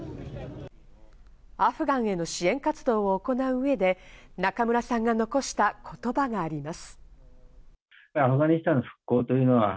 アフガンへの支援活動を行う上で中村さんが残した言葉があります。